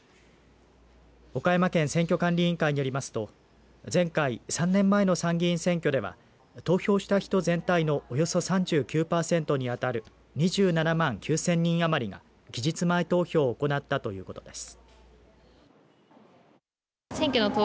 岡山県選挙管理委員会によりますと前回、３年前の参議院選挙では投票した人全体のおよそ３９％に当たる２７万９０００人余りが期日前投票を行ったということです。